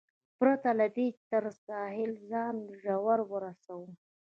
پرته له دې، چې تر ساحل ځان ژر ورسوم.